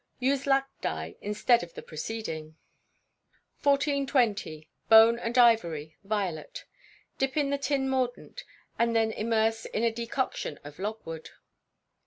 _ Use lac dye instead of the preceding. 1420. Bone and Ivory. Violet. Dip in the tin mordant, and then immerse in a decoction of logwood.